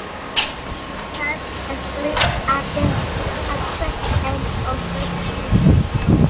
Day became a free agent at the end of the season.